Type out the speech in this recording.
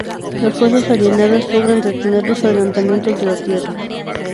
Las fuerzas alineadas logran detener los adelantamientos de la Tierra.